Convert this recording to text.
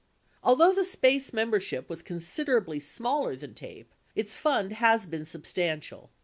Although the SPACE membership was considerably smaller than TAPE, its fund has been substantial.